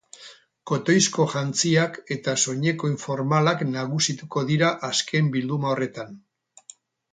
Kotoizko jantziak eta soineko informalak nagusituko dira azken bilduma horretan.